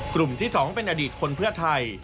กลุ่มที่๒เป็นอดีตคนเพื่อไทย